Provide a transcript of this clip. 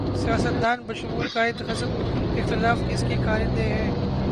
سیاست دان بشمول قائد حزب اختلاف اس کے کارندے ہیں۔